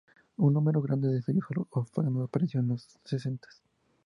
Un número grande de sellos afganos apareció en los sesentas.